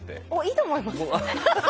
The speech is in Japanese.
いいと思いますよ。